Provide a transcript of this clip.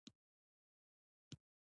د ونو شنه پاڼې د قدرت تازه والی ښيي.